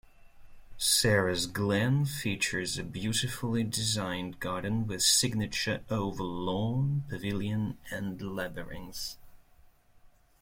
Sarah's Glen features a beautifully designed garden with signature oval lawn, pavilion and labyrinth.